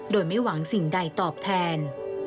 โดยไม่หวังสิ่งใดตอบแทน